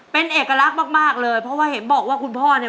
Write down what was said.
เป็นเอกลักษณ์มากมากเลยเพราะว่าเห็นบอกว่าคุณพ่อเนี่ย